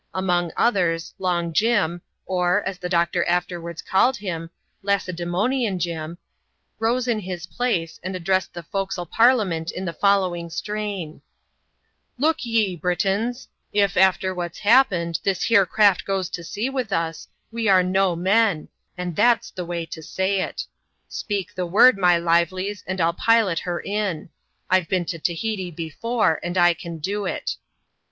Among others. Long Jim, or — as the doctor after wards called him — Lacedaemonian Jim, rose in his place, and addressed the forecastle parliament in the following strain :—Look ye, Britons I if, after what's happened, this here craft ^^oes to sea with us, we are no men; and tliat'a the way to say it Speak the word, my livelieSy and T\\ pV\o\.\vet m, "t ^i^Xi^fewNft <aAF. XX.] THE ROUND ROBIN.— VISITORS FROM SHORE. 75 Tahiti before, and I can do it."